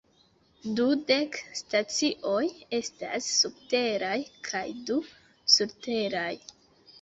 Dudek stacioj estas subteraj kaj du surteraj.